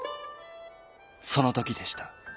そのときでした。